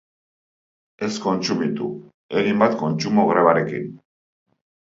Ez kontsumitu, egin bat kontsumo grebarekin.